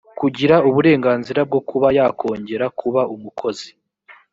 kugira uburenganzira bwo kuba yakongera kuba umukozi